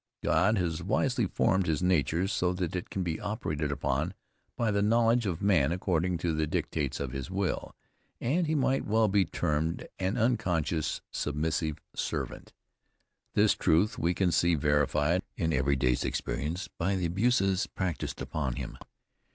God has wisely formed his nature so that it can be operated upon by the knowledge of man according to the dictates of his will, and he might well be termed an unconscious, submissive servant. This truth we can see verified in every day's experience by the abuses practiced upon him.